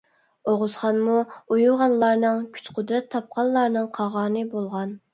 ئوغۇزخانمۇ ئۇيۇغانلارنىڭ، كۈچ-قۇدرەت تاپقانلارنىڭ قاغانى بولغان.